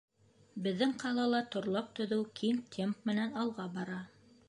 Беҙҙең ҡалала торлаҡ төҙөү киң темп менән алға бара.